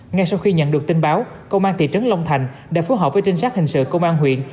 ngay sau khi nhận được tin báo công an thị trấn long thành đã phối hợp với trinh sát hình sự công an huyện